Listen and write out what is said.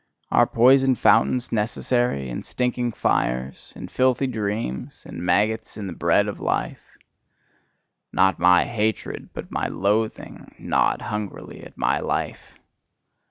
Are poisoned fountains necessary, and stinking fires, and filthy dreams, and maggots in the bread of life? Not my hatred, but my loathing, gnawed hungrily at my life!